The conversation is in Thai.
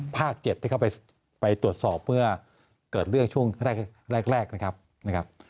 ๗ที่เขาไปตรวจสอบเมื่อเกิดเรื่องช่วงแรกนะครับ